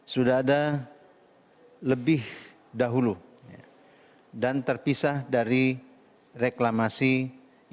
sudah ada lebih dahulu dan terpisah dari reklamasi ini